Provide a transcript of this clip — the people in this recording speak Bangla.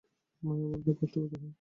মায়া বাড়ালেই কষ্ট পেতে হয়।